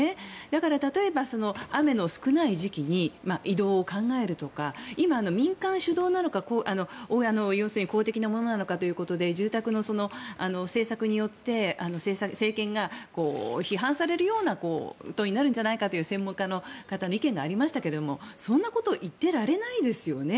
だから、例えば雨の少ない時期に移動を考えるとか今、民間主導なのか要するに公的のものなのかということで住宅の政策によって政権が批判されるようなことになるんじゃないかという専門家の方の意見がありましたがそんなこと言ってられないですよね。